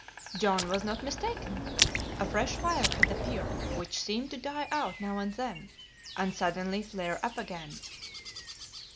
John was not mistaken. A fresh fire had appeared, which seemed to die out now and then, and suddenly flare up again.